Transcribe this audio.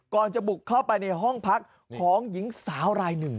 ก่อนจะบุกเข้าไปในห้องพักของหญิงสาวรายหนึ่ง